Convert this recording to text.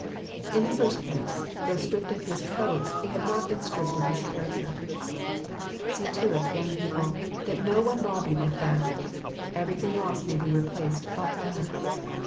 In the first place, though stripped of his coat \ he had not been stripped of his character. See to it, young people, that no 'one rob you of that: everything else may be replaced but that!